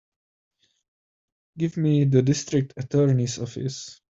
Give me the District Attorney's office.